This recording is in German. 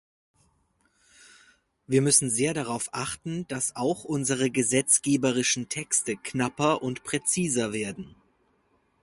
Wir müssen sehr darauf achten, dass auch unsere gesetzgeberischen Texte knapper und präziser werden.